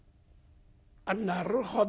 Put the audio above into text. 「あっなるほど。